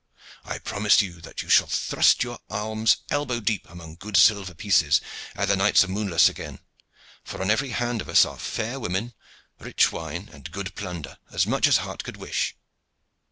I promise you that you shall thrust your arms elbow deep among good silver pieces ere the nights are moonless again; for on every hand of us are fair women, rich wine, and good plunder, as much as heart could wish."